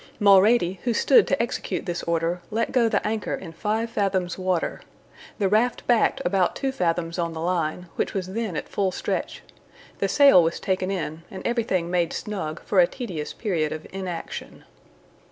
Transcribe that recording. Mulrady, who stood to execute this order, let go the anchor in five fathoms water. The raft backed about two fathoms on the line, which was then at full stretch. The sail was taken in, and everything made snug for a tedious period of inaction.